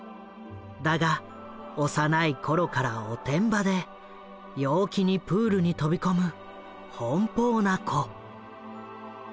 だが幼い頃からおてんばで陽気にプールに飛び込む奔放な子。